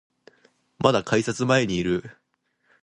まだ改札前にいる